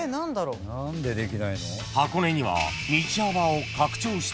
［箱根には］